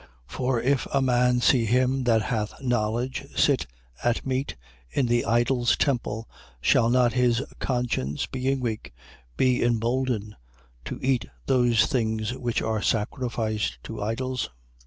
8:10. For if a man see him that hath knowledge sit at meat in the idol's temple, shall not his conscience, being weak, be emboldened to eat those things which are sacrificed to idols?